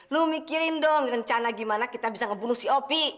lu mikirin dong rencana gimana kita bisa ngebunuh si op